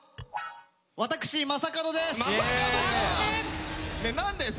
私正門です。